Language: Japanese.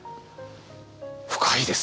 深いですね。